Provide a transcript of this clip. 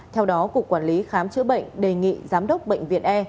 theo đó cục quản lý khám chữa bệnh đề nghị giám đốc bệnh viện e